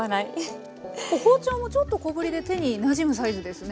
包丁もちょっと小ぶりで手になじむサイズですね。